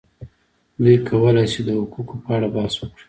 دوی کولای شي د حقوقو په اړه بحث وکړي.